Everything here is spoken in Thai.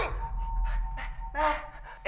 แม่